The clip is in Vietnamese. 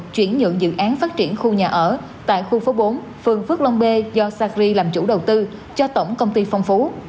chuyển nhượng dự án phát triển khu nhà ở tại khu phố bốn phường phước long b do sacri làm chủ đầu tư cho tổng công ty phong phú